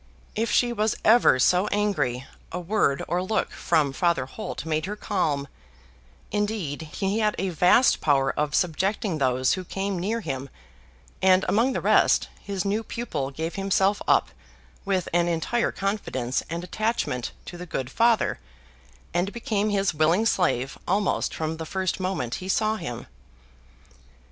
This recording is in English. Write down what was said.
If she was ever so angry, a word or look from Father Holt made her calm: indeed he had a vast power of subjecting those who came near him; and, among the rest, his new pupil gave himself up with an entire confidence and attachment to the good Father, and became his willing slave almost from the first moment he saw him.